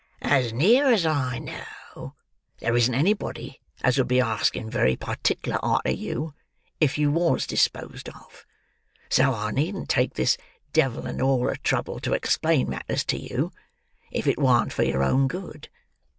"As near as I know, there isn't anybody as would be asking very partickler arter you, if you was disposed of; so I needn't take this devil and all of trouble to explain matters to you, if it warn't for your own good.